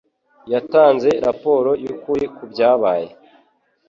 Yatanze raporo yukuri kubyabaye.